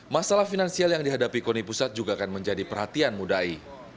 masalah finansial yang dihadapi koni pusat juga akan menjadi perhatian mudai